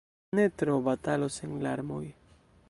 Ne tro: batalo sen larmoj.